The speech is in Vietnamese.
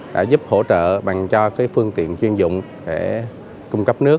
đã giúp hỗ trợ bằng cho phương tiện chuyên dụng để cung cấp nước